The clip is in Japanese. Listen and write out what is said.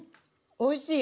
おいしい！